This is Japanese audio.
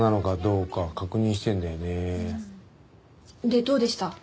でどうでした？